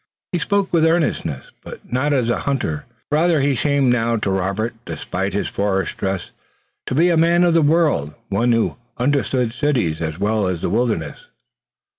He spoke with earnestness, but not as a hunter. Rather he seemed now to Robert, despite his forest dress, to be a man of the world, one who understood cities as well as the wilderness.